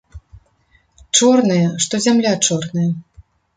Чорныя, што зямля чорная.